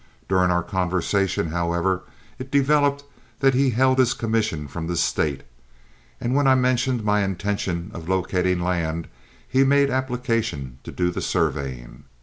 During our conversation, however, it developed that he held his commission from the State, and when I mentioned my intention of locating land, he made application to do the surveying.